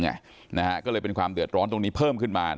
ก็เลยเป็นความเดือดร้อนตรงนี้เพิ่มขึ้นมา